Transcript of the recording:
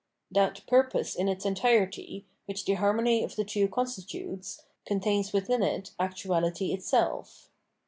That purpose in its entirety, which the harmony of the two constitutes, contains within it actuality itself.